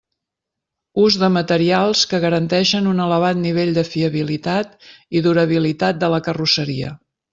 Ús de materials que garanteixen un elevat nivell de fiabilitat i durabilitat de la carrosseria.